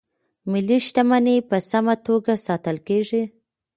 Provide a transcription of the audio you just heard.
ملي شتمنۍ په سمه توګه ساتل کیږي.